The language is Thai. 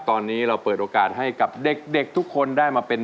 ตอนนี้เราเปิดโอกาสให้กับเด็กทุกคนได้มาเป็น